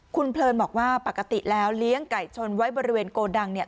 คุณเพลินบอกว่าปกติแล้วเลี้ยงไก่ชนไว้บริเวณโกดังเนี่ย